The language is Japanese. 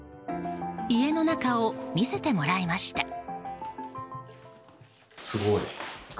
家の中を見せてもらいました。